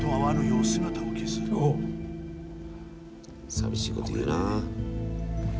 寂しいこと言うな。